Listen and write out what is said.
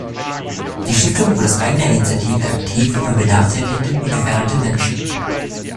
Die Stiftung wird aus eigener Initiative aktiv für benachteiligte und gefährdete Menschen.